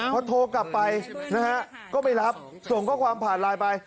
พอโทรกลับไปนะฮะก็ไม่รับส่งข้อความผ่านไลน์ไป